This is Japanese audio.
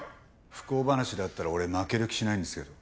不幸話だったら俺負ける気しないんですけど。